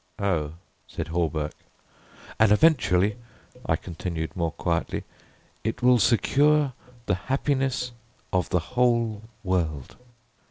"Oh," said Hawberk. "And eventually," I continued more quietly, "it will secure the happiness of the whole world."